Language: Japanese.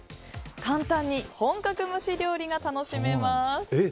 簡単に本格蒸し料理が楽しめます。